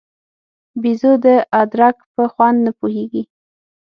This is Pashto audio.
بېزو د ادرک په خوند نه پوهېږي.